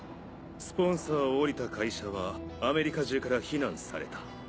スポンサーを降りた会社はアメリカ中から非難された。